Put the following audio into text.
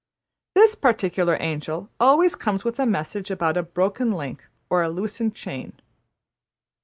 This particular angel always comes with a message about a broken link or a loosened chain.